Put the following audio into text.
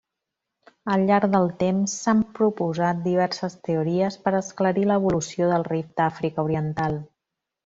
Al llarg del temps, s'han proposat diverses teories per esclarir l'evolució del Rift d'Àfrica Oriental.